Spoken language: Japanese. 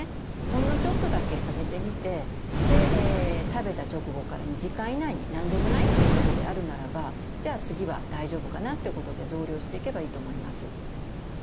ほんのちょっとだけあげてみて食べた直後から２時間以内に何でもないということであるならばじゃあ次は大丈夫かなということで増量していけばいいと思います。